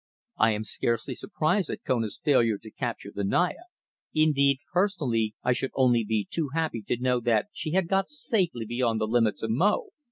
"I am scarcely surprised at Kona's failure to capture the Naya; indeed, personally, I should only be too happy to know that she had got safely beyond the limits of Mo.